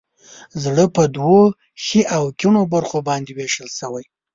زړه په دوو ښي او کیڼو برخو باندې ویش شوی.